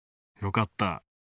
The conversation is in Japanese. よかった。